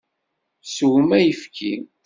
Swem ayefki!